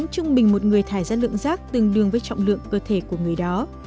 trước khi quá muộn cho môi trường đất nước